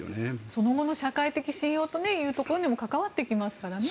その後の社会的信用というところにも関わってきますからね。